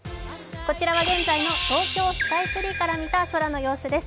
こちらは現在の東京スカイツリーから見た空の様子です。